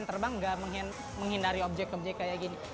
terbang tidak menghindari objek objek seperti ini